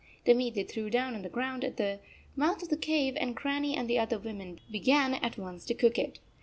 The meat they threw down on the ground at the mouth of the cave, and Grannie and the other women began at once to cook it.